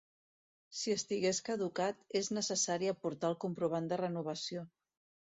Si estigués caducat, és necessari aportar el comprovant de renovació.